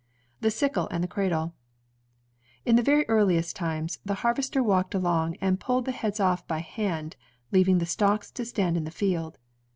The Sickle and the Cradle In the very earliest times, the harvester walked along and pulled the heads off by hand, leaving the stalks to stand in the field.